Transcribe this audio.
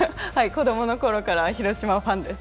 子供のころから広島ファンです。